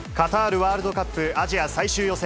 ワールドカップアジア最終予選。